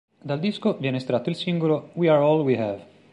Dal disco viene estratto il singolo "We Are All We Have".